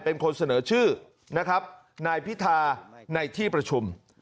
เป็นคนเสนอชื่อนะครับนายพิธาในที่ประชุม